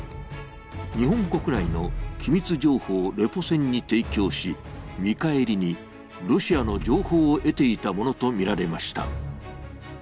日本国内の機密情報をレポ船に提供し、見返りにロシアの情報を得ていたものとみられました。